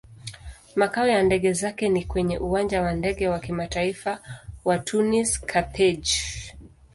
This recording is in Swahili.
Makao ya ndege zake ni kwenye Uwanja wa Ndege wa Kimataifa wa Tunis-Carthage.